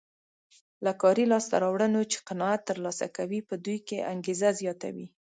له کاري لاسته راوړنو چې قناعت ترلاسه کوي په دوی کې انګېزه زیاتوي.